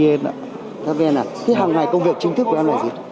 thế hàng ngày công việc chính thức của em là gì